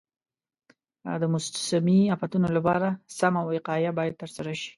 د موسمي افتونو لپاره سمه وقایه باید ترسره شي.